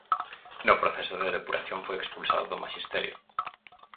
No proceso de depuración foi expulsado do Maxisterio.